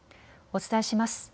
お伝えします。